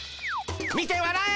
見てわらえ！